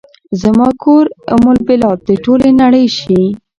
زما کور ام البلاد ، ټولې نړۍ شي